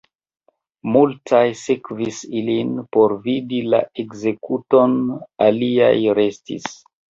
Multaj sekvis ilin por vidi la ekzekuton, aliaj restis.